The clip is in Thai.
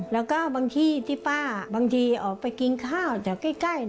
แล้วก็บางที่ที่ป้าบางทีออกไปกินข้าวจากใกล้